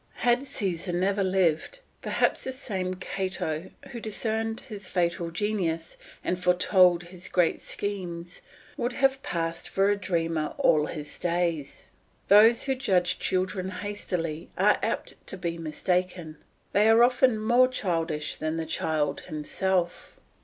Had Caesar never lived, perhaps this same Cato, who discerned his fatal genius, and foretold his great schemes, would have passed for a dreamer all his days. Those who judge children hastily are apt to be mistaken; they are often more childish than the child himself.